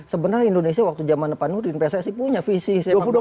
sebenarnya indonesia waktu zaman depan nurin pssi punya visi